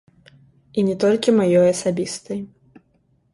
І не толькі маёй асабістай.